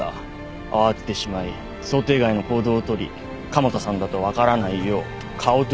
慌ててしまい想定外の行動をとり加茂田さんだと分からないよう顔と指を焼いた。